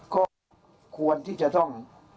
ก็ควรที่จะต้อง